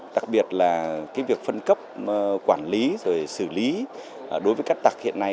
tặc biệt là cái việc phân cấp quản lý rồi xử lý đối với cát tặc hiện nay